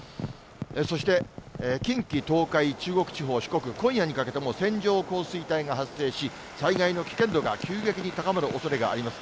そして近畿、東海、中国地方、四国、今夜にかけても線状降水帯が発生し、災害の危険度が急激に高まるおそれがあります。